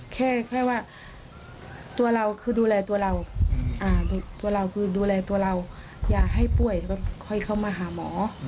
แค่ว่าตัวเราก็ดูแลตัวเราอย่าให้ป่วยค่อยเข้ามาหาหมอ